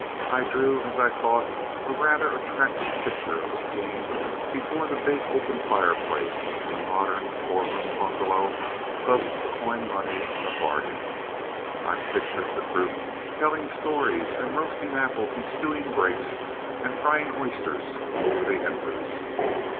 I drew, as I thought, a rather attractive picture of a scene before the big open fireplace in the modern four room bungalow of "Coin Money on a Bargain." I pictured the group telling stories and roasting apples and stewing grapes and frying oysters over the embers.